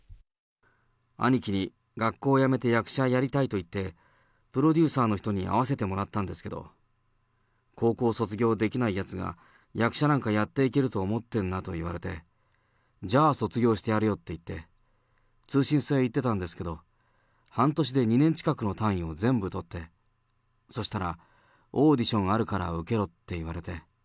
兄貴に学校辞めて役者やりたいと言って、プロデューサーの人に会わせてもらったんですけど、高校を卒業できないやつが、役者なんかやっていけると思ってんなと言われて、じゃあ、卒業してやるよって言って、通信制行ってたんですけど、半年で２年近くの単位を全部取って、そしたら、オーディションあるから受けろって言われて。